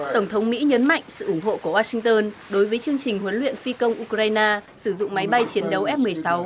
tổng thống mỹ nhấn mạnh sự ủng hộ của washington đối với chương trình huấn luyện phi công ukraine sử dụng máy bay chiến đấu f một mươi sáu